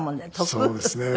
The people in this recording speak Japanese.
そうですね。